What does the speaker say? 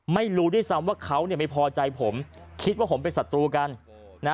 ไม่รู้ด้วยซ้ำว่าเขาเนี่ยไม่พอใจผมคิดว่าผมเป็นศัตรูกันนะ